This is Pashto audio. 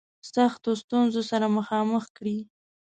سختو ستونزو سره مخامخ کړي.